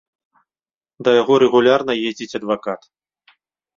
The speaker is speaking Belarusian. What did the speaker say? Да яго рэгулярна ездзіць адвакат.